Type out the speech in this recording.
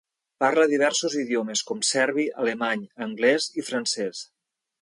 Parla diversos idiomes com serbi, alemany, anglès i francès.